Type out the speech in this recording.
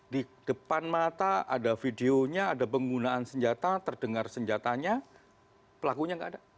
di depan mata ada videonya ada penggunaan senjata terdengar senjatanya pelakunya nggak ada